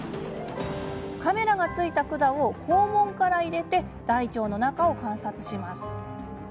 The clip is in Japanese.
カメラがついた管を肛門から入れて大腸の中を観察します。